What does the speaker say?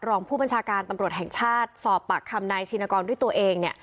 รองผู้บัญชาการตำรวจแห่งชาติสอบปากคำนายชินกรด้วยตัวเองเนี่ย